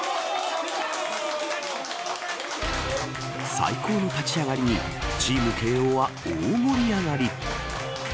最高の立ち上がりにチーム慶応は大盛り上がり。